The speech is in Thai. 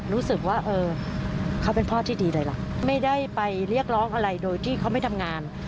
รู้สึกว่าเออเขาเป็นพ่อที่ดีเลยล่ะไม่ได้ไปเรียกร้องอะไรโดยที่เขาไม่ทำงาน